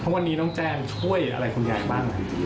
เพราะวันนี้น้องแจนช่วยอะไรคุณยายบ้าง